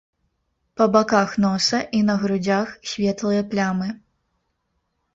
Па баках носа і на грудзях светлыя плямы.